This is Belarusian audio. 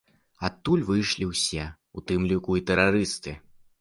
Адтуль выйшлі ўсе, у тым ліку, і тэрарысты.